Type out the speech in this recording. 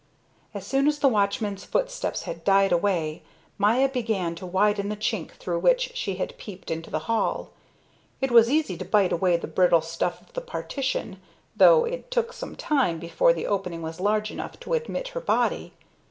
As soon as the watchman's footsteps had died away, Maya began to widen the chink through which she had peeped into the hall. It was easy to bite away the brittle stuff of the partition, though it took some time before the opening was large enough to admit her body.